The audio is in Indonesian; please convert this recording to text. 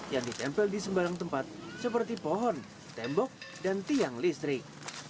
yang ditempel di sembarang tempat seperti pohon tembok dan tiang listrik